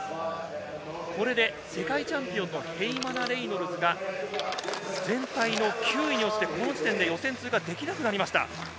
これで世界チャンピオンのヘイマナ・レイノルズが、全体９位に落ちて、この時点で予選通過できなくなりました。